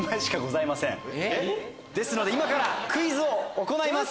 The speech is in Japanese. ですのでクイズを行います！